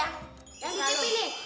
yang di tipi nih